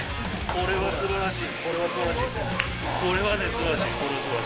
これはすばらしい。